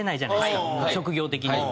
職業的には。